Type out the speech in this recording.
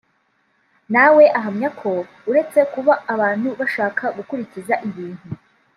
nawe ahamya ko uretse kuba abantu bashaka gukuririza ibintu